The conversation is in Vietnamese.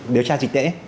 điều tra trịch tễ